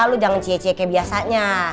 lu jangan cie cie kayak biasanya